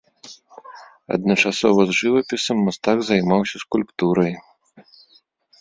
Адначасова з жывапісам мастак займаўся скульптурай.